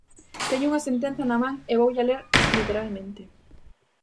Teño unha sentenza na man e voulla ler literalmente.